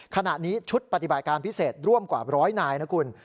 ขณะนี้ชุดปฏิบัติการพิเศษร่วมกว่าร้อยนายนะคุณ